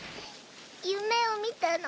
夢を見たの。